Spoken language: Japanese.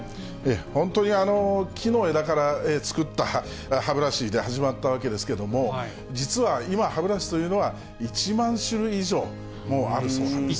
本当に、木の枝から作った歯ブラシで始まったわけですけれども、実は今、歯ブラシというのは１万種類以上もあるそうなんですね。